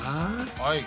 はい。